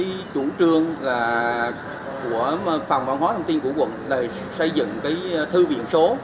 cái chủ trương là của phòng văn hóa thông tin của quận là xây dựng cái thư viện số